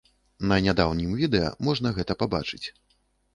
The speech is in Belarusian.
На нядаўнім відэа можна гэта пабачыць.